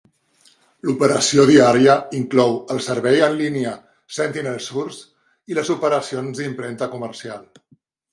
L'operació diària inclou el servei en línia SentinelSource i les operacions d'impremta comercial.